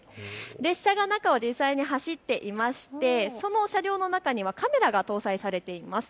列車が中を実際に走っていましてその車両の中にはカメラが搭載されています。